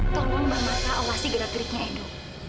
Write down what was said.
tolong mbak marta awasi gerak geriknya edu